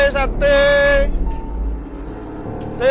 teh sateh sateh